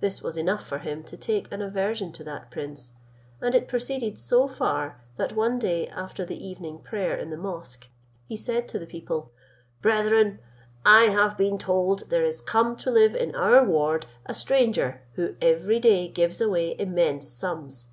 This was enough for him to take an aversion to that prince; and it proceeded so far, that one day after the evening prayer in the mosque, he said to the people, "Brethren, I have been told there is come to live in our ward a stranger, who every day gives away immense sums.